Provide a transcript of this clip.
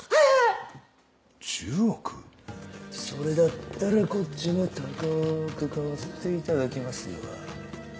それだったらこっちも高く買わせていただきますよ。